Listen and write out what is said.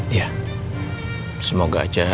iya semoga aja